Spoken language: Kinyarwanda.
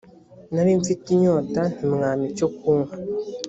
nari mfite inyota ntimwampa icyo kunywa